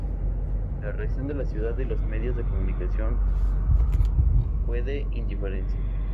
La reacción de la ciudad y los medios de comunicación fue de indiferencia.